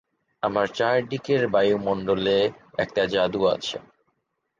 আমার চার দিকের বায়ুমণ্ডলে একটা জাদু আছে।